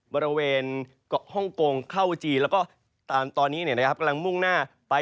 บริเวณห้องโกงเข้าจีนแล้วก็ตามตอนนี้เนี่ยนะครับกำลังมุ่งหน้าไป